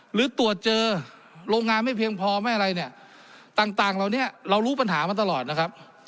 หรือตรวจเจอโรงงานไม่เพียงพอไม่อะไรเนี่ยต่างเหล่านี้เรารู้ปัญหามาตลอดนะครับ